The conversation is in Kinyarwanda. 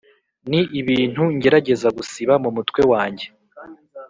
Ni ibintu ngerageza gusiba mu mutwe wanjye